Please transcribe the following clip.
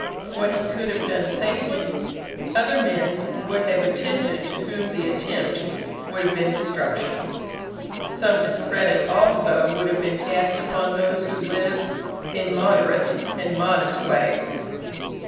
What he could have done safely, other men would have attempted to whom the attempt would have been destruction. Some discredit also would have been cast upon those who live in moderate and modest ways.